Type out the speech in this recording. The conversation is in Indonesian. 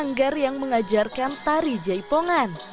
sanggar yang mengajarkan tari jaipongan